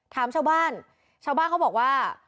ถามชาวบ้านเขาบอกว่า